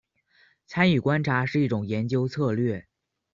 参与观察是一种研究策略。